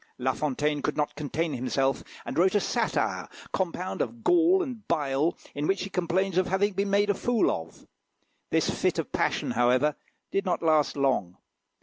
La Fontaine could not contain himself, and wrote a satire, compound of gall and bile, in which he complains of having been made a fool of. This fit of passion, however, did not last long.